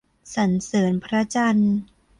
สรรเสริญพระจันทร์